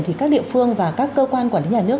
thì các địa phương và các cơ quan quản lý nhà nước